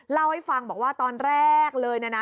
เล่าให้ฟังบอกว่าตอนแรกเลยนะ